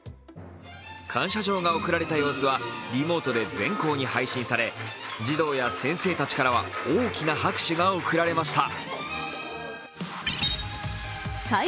感謝状が贈られた様子は、リモートで全校に配信され、児童や先生たちからは大きな拍手が送られました。